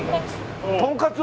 とんかつ。